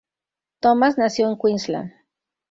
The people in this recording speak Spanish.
Thomas nació en Queensland.